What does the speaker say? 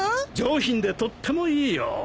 上品でとってもいいよ。